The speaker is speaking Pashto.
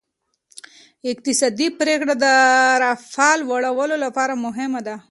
اقتصادي پریکړې د رفاه لوړولو لپاره مهمې دي.